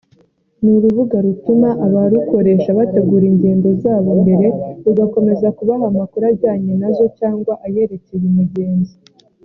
Ni urubuga rutuma abarukoresha bategura ingendo zabo mbere rugakomeza kubaha amakuru ajyanye nazo cyangwa ayerekeye umugenzi